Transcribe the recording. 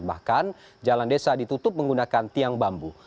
bahkan jalan desa ditutup menggunakan tiang bambu